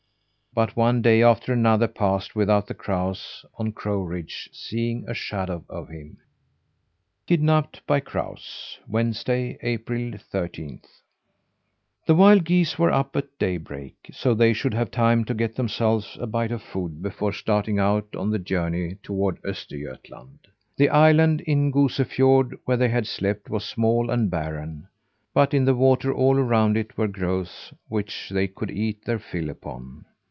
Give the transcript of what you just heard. But one day after another passed without the crows on crow ridge seeing a shadow of him. KIDNAPPED BY CROWS Wednesday, April thirteenth. The wild geese were up at daybreak, so they should have time to get themselves a bite of food before starting out on the journey toward Östergötland. The island in Goosefiord, where they had slept, was small and barren, but in the water all around it were growths which they could eat their fill upon.